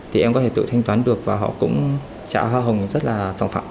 thì em có thể tự thanh toán được và họ cũng trả hoa hồng rất là sẵn phạm